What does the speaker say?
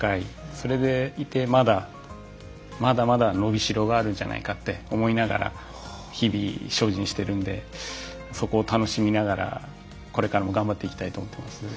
それでいてまだまだまだ伸びしろがあるんじゃないかって思いながら日々精進してるんでそこを楽しみながらこれからも頑張っていきたいと思ってます。